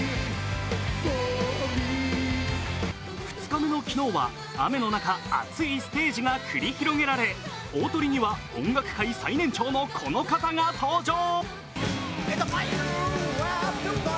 ２日目の昨日は雨の中、熱いステージが繰り広げられ大トリには音楽界最年長のこの方が登場。